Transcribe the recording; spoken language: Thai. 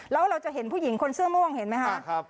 แล้วเราจะเห็นผู้หญิงคนเสื้อม่วงเห็นไหมคะ